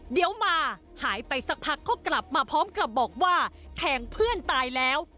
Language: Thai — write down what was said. เดี๋ยวมาหายไปสักพักก็กลับมาพร้อมกับบอกว่าแทงเพื่อนตายแล้ว